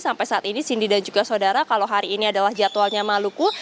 sampai saat ini cindy dan juga saudara kalau hari ini adalah jadwalnya maluku